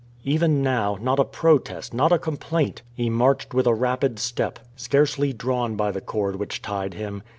Even now, not a protest, not a complaint! He marched with a rapid step, scarcely drawn by the cord which tied him.